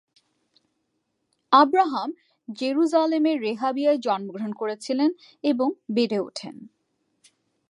Abraham জেরুজালেমের রেহাবিয়ায় জন্মগ্রহণ করেছিলেন এবং বেড়ে ওঠেন।